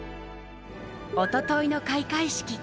おとといの開会式。